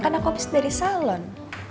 kan aku habis dari salon